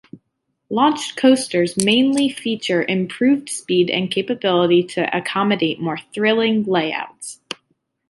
Launched coasters mainly feature improved speed, and capability to accommodate more "thrilling" layouts.